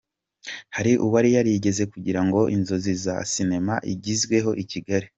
Hari uwari yarigeze kugira inzozi za Sinema igezweho i Kigali.